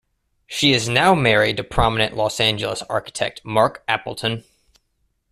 She is now married to prominent Los Angeles architect Marc Appleton.